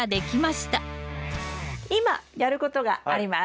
今やることがあります。